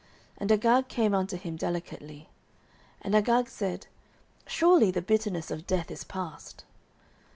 And Agag came unto him delicately. And Agag said, Surely the bitterness of death is past.